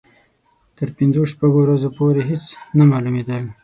تر پنځو شپږو ورځو پورې هېڅ نه معلومېدل.